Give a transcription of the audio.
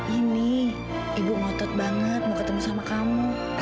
ini ibu ngotot banget mau ketemu sama kamu